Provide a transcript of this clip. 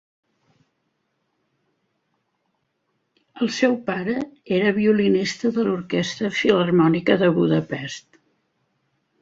El seu pare era violinista de l'Orquestra Filharmònica de Budapest.